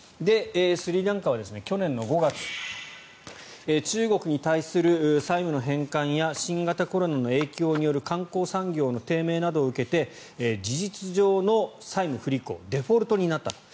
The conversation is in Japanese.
スリランカは去年５月中国に対する債務の返還や新型コロナの影響による観光産業の低迷などを受けて事実上の債務不履行デフォルトになったと。